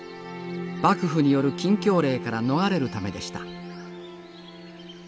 幕府による禁教令から逃れるためでした。